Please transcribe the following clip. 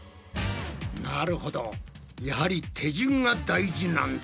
なるほどやはり手順が大事なんだな。